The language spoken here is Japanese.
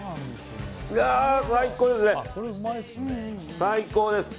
最高ですね。